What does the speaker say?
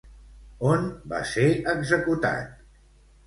On va ser executat?